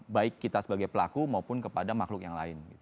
baik kita sebagai pelaku maupun kepada makhluk yang lain